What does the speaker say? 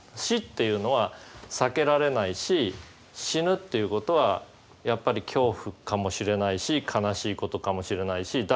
死っていうのは避けられないし死ぬっていうことはやっぱり恐怖かもしれないし悲しいことかもしれないし